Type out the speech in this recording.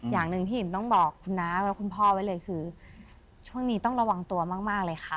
อย่างหนึ่งที่อิ่มต้องบอกคุณน้าและคุณพ่อไว้เลยคือช่วงนี้ต้องระวังตัวมากเลยค่ะ